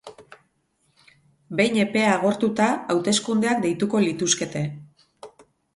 Behin epea agortuta, hauteskundeak deituko lituzkete.